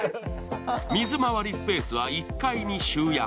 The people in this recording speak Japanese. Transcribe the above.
水まわりスペースは１階に集約。